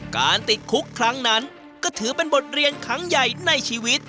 การติดคุกครั้งนั้นก็ถือเป็นบทเรียนครั้งใหญ่ในชีวิต